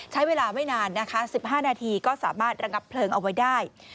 ใช้เวลาไม่นานนะคะ๑๕นาทีก็สามารถระงับเพลิงเอาไว้ได้